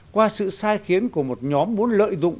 qua sự sai khiến của một nhóm muốn lợi dụng